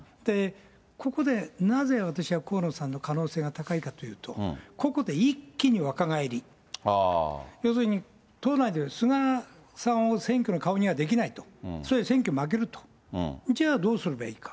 ここで、なぜ私が河野さんの可能性が高いかというと、ここで一気に若返り、要するに、党内では菅さんを選挙の顔にはできないと、それだと選挙負けると、じゃあどうすればいいか。